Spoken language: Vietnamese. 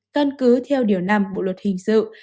căn cứ theo điều năm bộ luật hình sự